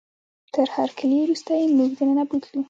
تر هرکلي وروسته یې موږ دننه بوتلو.